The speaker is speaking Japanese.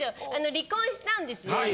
離婚したんですよ私。